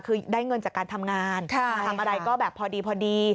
คือได้เงินจากการทำงานทำอะไรก็แบบพอดีพอดี